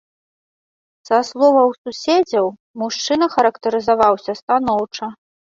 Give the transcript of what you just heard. Са словаў суседзяў, мужчына характарызаваўся станоўча.